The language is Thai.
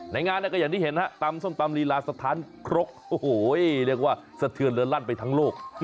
งานก็อย่างที่เห็นฮะตำส้มตำลีลาสถานครกโอ้โหเรียกว่าสะเทือนเรือลั่นไปทั้งโลก